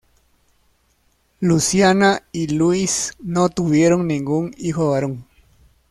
Luciana y Luis no tuvieron ningún hijo varón.